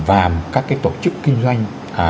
và các cái tổ chức kinh doanh